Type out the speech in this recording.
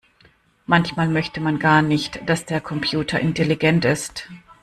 Manchmal möchte man gar nicht, dass der Computer intelligent ist.